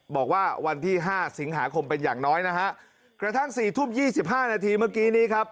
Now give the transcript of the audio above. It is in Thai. บอกว่าวันที่ห้าสิงหาคมเป็นอย่างน้อยนะฮะกระทั่งสี่ทุ่มยี่สิบห้านาทีเมื่อกี้นี้ครับ